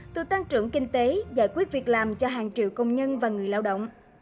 từ tăng trưởng kinh tế giải quyết việc làm cho hàng triệu công nhân và người lao động